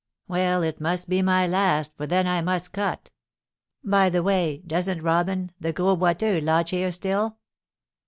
"Well, it must be my last, for then I must cut. By the way, doesn't Robin, the Gros Boiteux, lodge here still?"